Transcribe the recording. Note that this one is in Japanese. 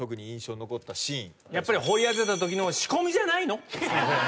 やっぱり掘り当てたときの「仕込みじゃないの？」